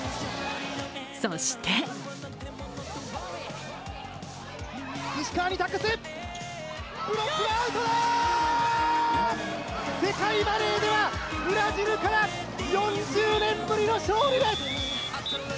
そして世界バレーではブラジルから４０年ぶりの勝利です！